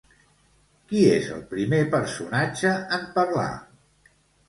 Qui és el primer personatge en parlar?